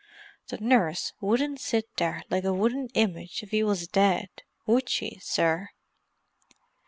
The nurse wouldn't sit there like a wooden image if 'e was dead, would she, sir?"